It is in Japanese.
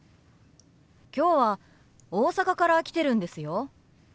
今日は大阪から来てるんですよ。